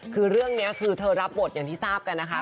คือเรื่องนี้คือเธอรับบทอย่างที่ทราบกันนะคะ